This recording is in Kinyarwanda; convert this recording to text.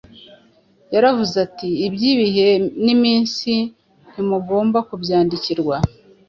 Yaravuze ati: “Iby’ibihe n’iminsi, ntimugomba kubyandikirwa